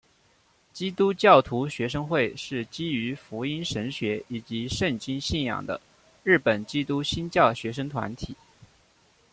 基督教徒学生会是基于福音神学以及圣经信仰的日本基督新教学生团体。